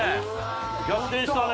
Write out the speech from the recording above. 逆転したね。